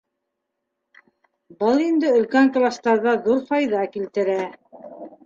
Был инде өлкән кластарҙа ҙур файҙа килтерә.